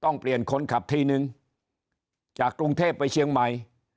ต้องเปลี่ยนคนขับทีนึงจากกรุงเทพไปเชียงใหม่